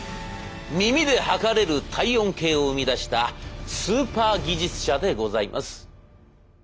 耳で測れる体温計を生み出したスーパー技術者でございます。